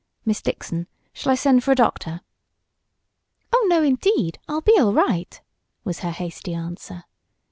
Miss Dixon, shall I send for a doctor?" "Oh, no, indeed, I'll be all right!" was her hasty answer.